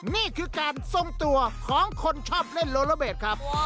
นี่คือการทรงตัวของคนชอบเล่นโลละเบสครับ